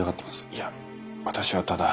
いや私はただ。